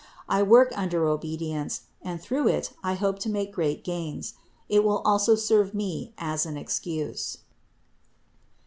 I work under obedience, and through it I hope to make great gains. It will also serve me as an excuse.